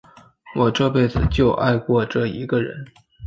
我这辈子就爱过这一个人。